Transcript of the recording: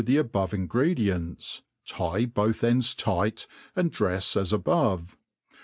the above ingredients, tie both ends tight, and drefs as above.